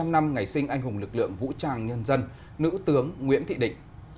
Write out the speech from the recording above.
một trăm linh năm ngày sinh anh hùng lực lượng vũ trang nhân dân nữ tướng nguyễn thị định